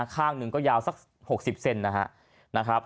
ข้างหนึ่งก็ยาวสัก๖๐เซนนะครับ